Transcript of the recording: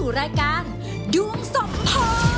นี่คือรายการที่ใช้ศาสตร์ของดวงชะตาในการเลือกคู่